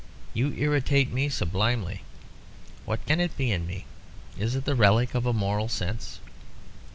You irritate me sublimely. What can it be in me? Is it the relic of a moral sense?"